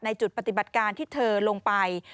จุดปฏิบัติการที่เธอลงไป